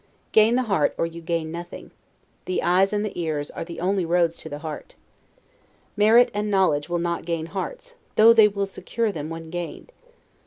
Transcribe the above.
Gain the heart, or you gain nothing; the eyes and the ears are the only roads to the heart. Merit and knowledge will not gain hearts, though they will secure them when gained.